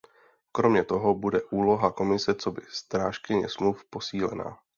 Kromě toho bude úloha Komise coby strážkyně smluv posílena.